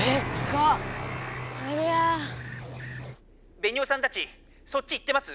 「ベニオさんたちそっち行ってます？」。